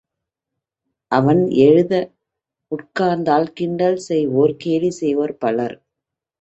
அவன் எழுத உட்கார்ந்தால், கிண்டல் செய்வோர், கேலி செய்வோர் பலர்.